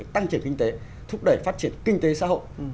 tăng trưởng kinh tế thúc đẩy phát triển kinh tế xã hội